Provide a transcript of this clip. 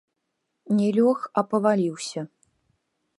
Не лёг, а паваліўся.